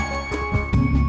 liat dong liat